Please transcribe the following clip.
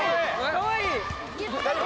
かわいい。